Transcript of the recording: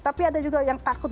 tapi ada juga yang takut